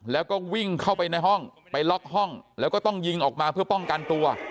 แล้วก็วิ่งเข้าไปในห้องไปล็อกห้องแล้วก็ต้องยิงออกมาเพื่อป้องกันตัว